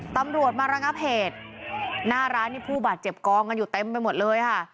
ตำรวจมาระงับเหตุหน้าร้านนี่ผู้บาดเจ็บกองกันอยู่เต็มไปหมดเลยค่ะ